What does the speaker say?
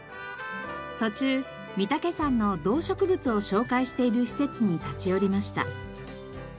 途中御岳山の動植物を紹介している施設に立ち寄りました。